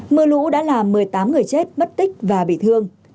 mưa lũ đã làm một mươi tám người chết mất tích và bị thương